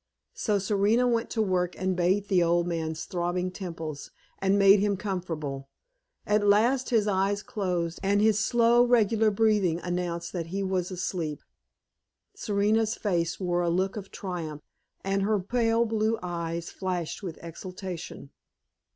So Serena went to work and bathed the old man's throbbing temples, and made him comfortable. At last his eyes closed, and his slow, regular breathing announced that he was asleep. Serena's face wore a look of triumph, and her pale blue eyes flashed with exultation.